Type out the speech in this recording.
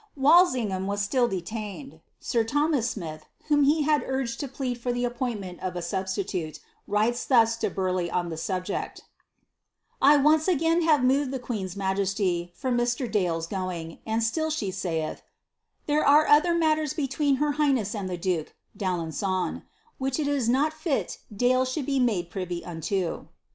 "' ingham was still detained. Sir Thomas Smith, whom he had urged to plead for the eppoiniment of a substitute, wriiea thus lo Bar leigh on the subject ;*—*■[ once again have moved ihe queen's majesty for Mr. Dale's going, and slill she saith, ' there are other mailers between her highness and the duke (d'Alen^on), which h is not fit Dale should be made privy unlo.'